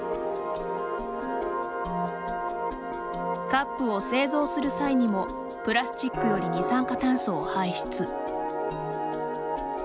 カップを製造する際にもプラスチックより二酸化炭素を排出。